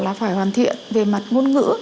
là phải hoàn thiện về mặt ngôn ngữ